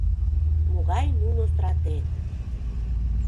Могай нуно стратег...